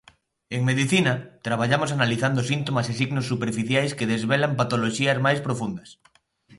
En medicina, traballamos analizando síntomas e signos superficiais que desvelan patoloxías máis profundas.